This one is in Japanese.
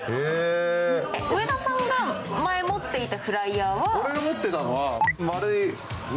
上田さんが前持っていたフライヤーは？